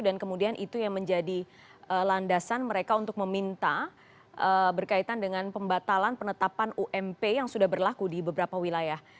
dan kemudian itu yang menjadi landasan mereka untuk meminta berkaitan dengan pembatalan penetapan ump yang sudah berlaku di beberapa wilayah